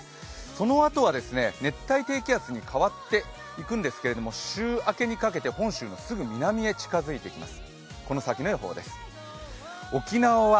そのあとは熱帯低気圧に変わっていくんですけれども週明けにかけて本州のすぐ南へ近づいてきます